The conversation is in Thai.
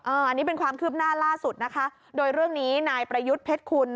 อันนี้เป็นความคืบหน้าล่าสุดนะคะโดยเรื่องนี้นายประยุทธ์เพชรคุณ